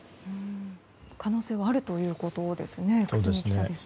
可能性はあるということですね。